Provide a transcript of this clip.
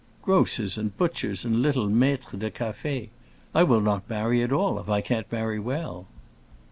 "Grocers and butchers and little maîtres de cafés! I will not marry at all if I can't marry well."